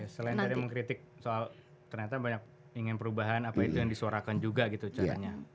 selain dari mengkritik soal ternyata banyak ingin perubahan apa itu yang disuarakan juga gitu caranya